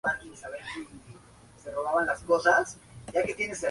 Además, Braga ha sido nominado para tres Premios Emmy.